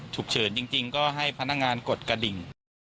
ฉุกเฉินจริงก็ให้พนักงานกดกระดิ่ง